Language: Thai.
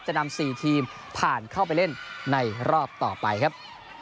นำ๔ทีมผ่านเข้าไปเล่นในรอบต่อไปครับ